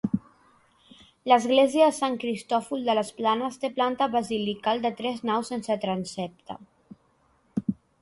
L'església de Sant Cristòfol de les Planes té planta basilical de tres naus sense transsepte.